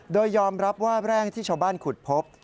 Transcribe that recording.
โดยยอมรับว่าแรงที่ชาวบ้านขุดพบ